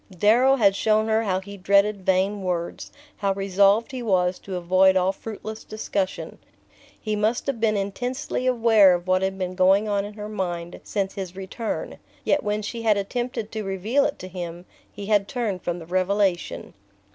Darrow had shown her how he dreaded vain words, how resolved he was to avoid all fruitless discussion. He must have been intensely aware of what had been going on in her mind since his return, yet when she had attempted to reveal it to him he had turned from the revelation.